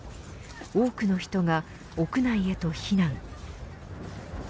多くの人が屋内へと避難。